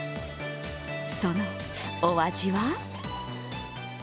そのお味は？